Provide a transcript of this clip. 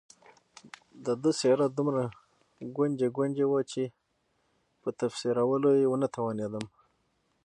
د ده څېره دومره ګونجي ګونجي وه چې په تفسیرولو یې ونه توانېدم.